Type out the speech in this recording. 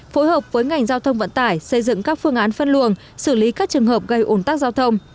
phối hợp với ngành giao thông vận tải xây dựng các phương án phân luồng xử lý các trường hợp gây ổn tắc giao thông